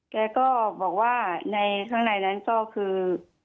แกก็บอกว่าในข้างในนั้นก็คือ